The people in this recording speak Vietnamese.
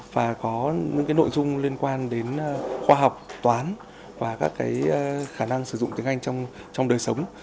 và có những nội dung liên quan đến khoa học toán và các khả năng sử dụng tiếng anh trong đời sống